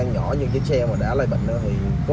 nó bị là nó phải bị rồi